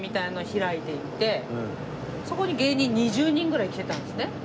そこに芸人２０人ぐらい来てたんですね。